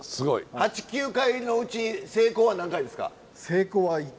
８９回のうち成功は何回ですか？